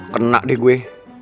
kena deh gue